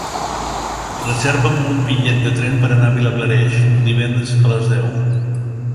Reserva'm un bitllet de tren per anar a Vilablareix divendres a les deu.